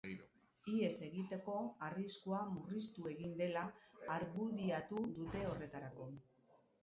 Ihes egiteko arriskua murriztu egin dela argudiatu dute horretarako.